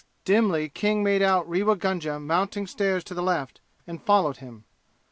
Dimly King made out Rewa Gunga mounting stairs to the left and followed him.